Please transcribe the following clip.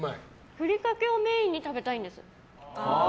ふりかけをメインに食べたいんです。